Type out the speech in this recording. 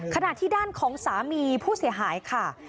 ขณะที่ด้านของสามีผู้เสียหายค่ะ